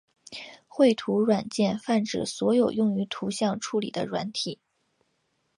绘图软件泛指所有用于图像处理的软体。